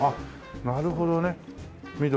なるほどね緑。